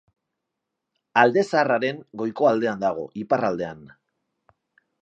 Alde Zaharraren goiko aldean dago, iparraldean.